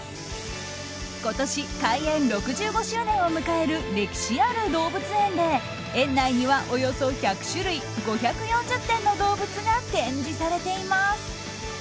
今年、開園６５周年を迎える歴史ある動物園で園内には、およそ１００種類５４０点の動物が展示されています。